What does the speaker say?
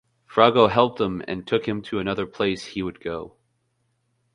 Froggo helped him and took him to another place he would go.